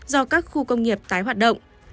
do các khu công nghiệp tái hoạt động